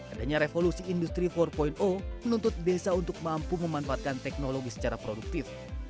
adanya revolusi industri empat menuntut desa untuk mampu memanfaatkan teknologi secara produktif